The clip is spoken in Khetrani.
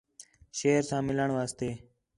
شیر ساں مِلݨ واسطے